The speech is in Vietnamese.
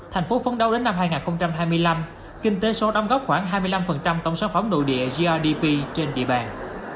thành phố phấn đấu đến năm hai nghìn hai mươi năm kinh tế số đóng góp khoảng hai mươi năm tổng sản phẩm đồ địa grdp trên địa bàn